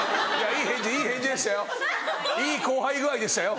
いい後輩具合でしたよ。